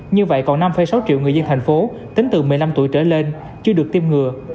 như vậy còn năm sáu triệu người dân thành phố tính từ một mươi năm tuổi trở lên chưa được tiêm ngừa